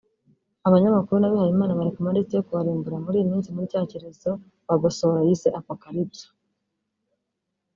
abanyamakuru n’abihaye Imana bari ku malisiti yo kubarimbura muri iyi minsi muri cya cyorezo Bagosora yise ‘Apocalypse’